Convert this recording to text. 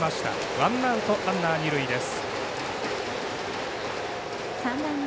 ワンアウト、ランナー、二塁です。